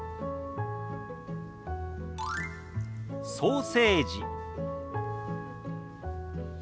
「ソーセージ」。